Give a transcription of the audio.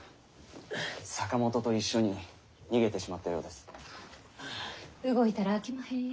坂本と一緒に逃げてしまったようです。